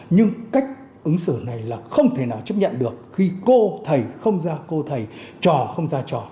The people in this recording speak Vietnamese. nhưng cách ứng xử này là không thể nào chấp nhận được khi cô thầy không ra cô thầy trò không ra trò